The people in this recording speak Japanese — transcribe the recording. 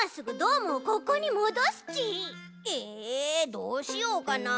どうしようかな？